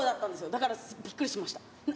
だから、びっくりしました。